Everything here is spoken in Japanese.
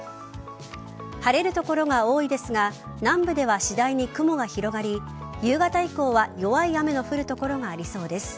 晴れる所が多いですが南部では次第に雲が広がり夕方以降は弱い雨の降る所がありそうです。